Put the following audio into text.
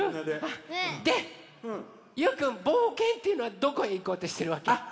でゆうくんぼうけんっていうのはどこへいこうとしてるわけ？